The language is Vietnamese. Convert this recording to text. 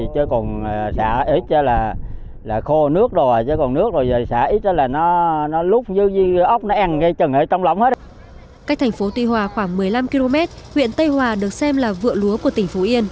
cách thành phố tuy hòa khoảng một mươi năm km huyện tây hòa được xem là vựa lúa của tỉnh phú yên